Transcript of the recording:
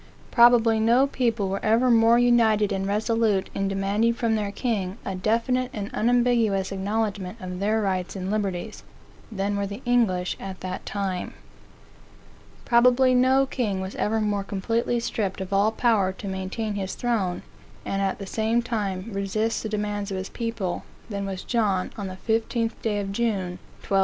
Probably no people were ever more united and resolute in demanding from their king a definite and unambiguous acknowledgment of their rights and liberties, than were the English at that time. Probably no king was ever more completely stripped of all power to maintain his throne, and at the same time resist the demands of his people, than was John on the 15th day of June, 1215.